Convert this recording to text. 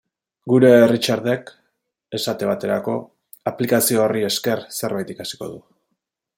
Gure Richardek, esate baterako, aplikazio horri esker zerbait ikasiko du.